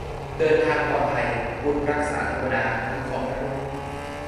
เดินทางปลอดภัย บุญรักษาเทวดาคุ้มครองนะลูก